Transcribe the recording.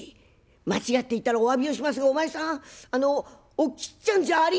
間違っていたらおわびをしますがお前さんあのおきっちゃんじゃありませんか？」。